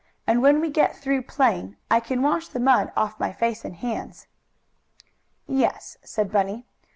"And when we get through playing I can wash the mud off my face and hands." "Yes," said Bunny.